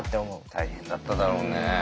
大変だっただろうね。